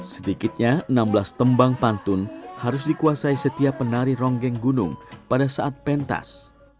sedikitnya enam belas tembang pantun harus dikuasai setiap penari ronggeng gunung pada saat pentas